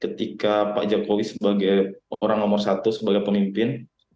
ketika pak jokowi sebagai orang nomor satu sebagai pemimpin